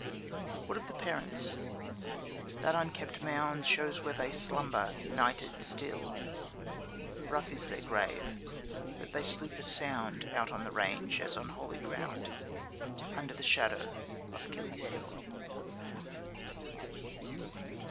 What of the parents? That unkept mound Shows where they slumber united still; Rough is their grave, but they sleep as sound Out on the range as on holy ground, Under the shadow of Kiley's Hill.